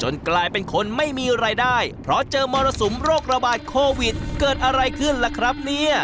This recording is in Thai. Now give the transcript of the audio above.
มีเป็นงานจากโควิดครับ